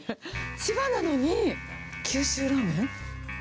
千葉なのに九州ラーメン？